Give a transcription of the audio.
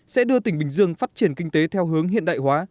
sẽ đưa tỉnh bình dương phát triển kinh tế theo hướng hiện đại hóa